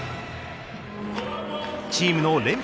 チームの連敗